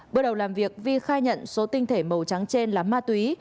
bước đầu làm việc vi khai nhận số tinh thể màu trắng trên là ma túy